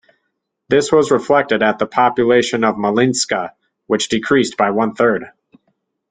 This was reflected at the population of Malinska, which decreased by one third.